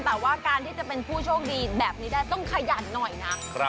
แต่ว่าการที่จะเป็นผู้โชคดีแบบนี้ได้ต้องขยันหน่อยนะ